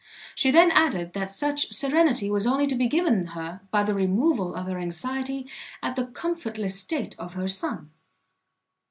She then added, that such serenity was only to be given her, by the removal of her anxiety at the comfortless state of her son.